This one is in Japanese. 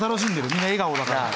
みんな笑顔だから。